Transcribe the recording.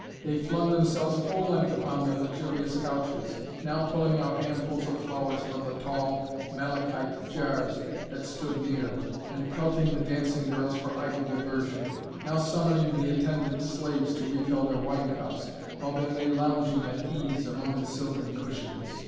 They flung themselves full length upon their luxurious couches, now pulling out handfuls of flowers from the tall malachite jars that stood near, and pelting the dancing girls for idle diversion, now summoning the attendant slaves to refill their wine cups, while they lay lounging at ease among the silken cushions.